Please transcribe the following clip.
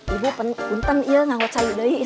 ibu bantuan gue gak mau cair lagi